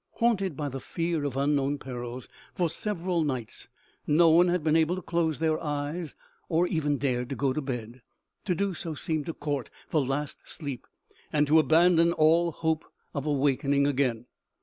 Haunted by the fear of unknown perils, for several nights no one had been able to close their eyes, or even dared to go to bed. To do so, seemed to court the last sleep and to abandon all hope of awakening again.